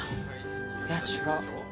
いや違う。